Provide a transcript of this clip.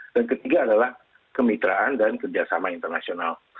dan ketiga adalah kemitraan dan kerjasama internasional